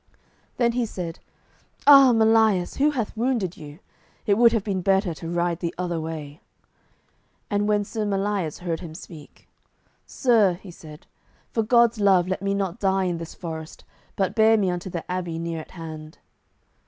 Then he said, "Ah, Melias, who hath wounded you? It would have been better to ride the other way." And when Sir Melias heard him speak, "Sir," he said, "for God's love let me not die in this forest, but bear me unto the abbey near at hand."